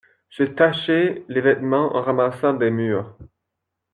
Se tâcher les vêtements en ramassant des mûres.